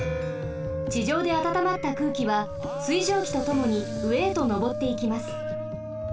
ちじょうであたたまったくうきは水蒸気とともにうえへとのぼっていきます。